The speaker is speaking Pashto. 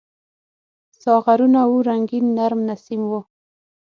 ساغرونه وو رنګین ، نرم نسیم و